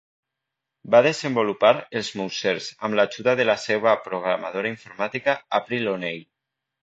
Va desenvolupar els "Mousers" amb l'ajuda de la seva programadora informàtica April O'Neil.